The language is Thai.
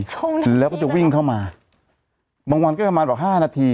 ช่วงนั้นแล้วก็จะวิ่งเข้ามาบางวันก็ประมาณแบบห้านาที